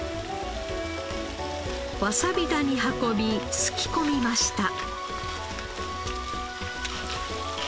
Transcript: わさび田に運びすき込みました。